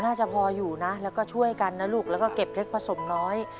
น่าจะพออยู่นะแล้วก็ช่วยกันนะลูกแล้วก็เก็บเล็กผสมน้อย